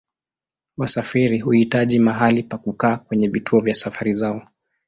Wasafiri huhitaji mahali pa kukaa kwenye vituo vya safari zao.